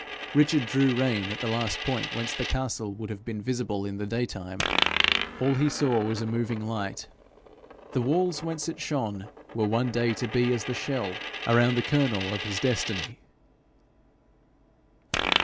Richard drew rein at the last point whence the castle would have been visible in the daytime. All he saw was a moving light. The walls whence it shone were one day to be as the shell around the kernel of his destiny.